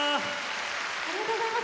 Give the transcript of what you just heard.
ありがとうございます。